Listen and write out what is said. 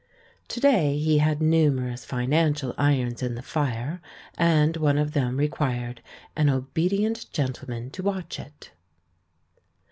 To day he had numerous financial irons in the fire, and one of them required an obedient gentleman to watch it.